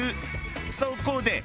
そこで。